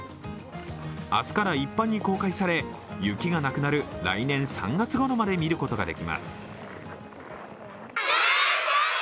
明日から一般に公開され、雪がなくなる来年３月ごろまで見ることができます。